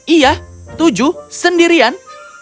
iya tujuh sendirian